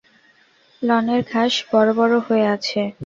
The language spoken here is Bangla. লনের ঘাস বড়-বড় হয়ে আছে।